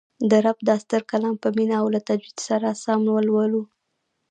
د رب دا ستر کلام په مینه او له تجوید سره سم ولولو